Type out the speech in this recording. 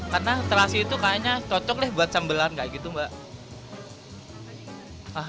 karena terasi itu kayaknya cocok deh buat sambelan kayak gitu mbak